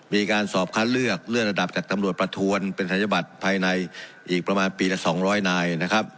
มีการสอบคัดเลือกเลื่อนระดับจากตำรวจประทวนเป็นศัลยบัตรภายในอีกประมาณปีละ๒๐๐นายนะครับ